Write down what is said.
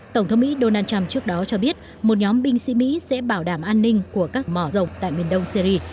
tổng thống mỹ donald trump trước đó cho biết một nhóm binh sĩ mỹ sẽ bảo đảm an ninh của các mỏ rộng tại miền đông syri